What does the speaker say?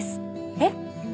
えっ？